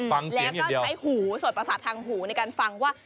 ฟังเสียงอย่างเดียวแล้วก็ใช้หูส่วนประสาททางหูในการฟังว่า